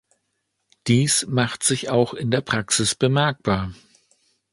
Dies macht sich auch in der Praxis bemerkbar.